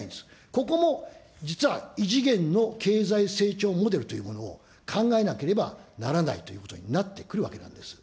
ここも実は異次元の経済成長モデルというものを考えなければならないということになってくるわけなんです。